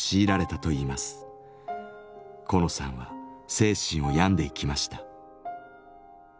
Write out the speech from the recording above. コノさんは精神を病んでいきました。